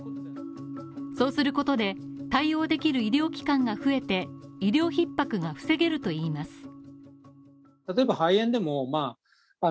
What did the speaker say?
そうすることで対応できる医療機関が増えて、医療逼迫が防げるといいます。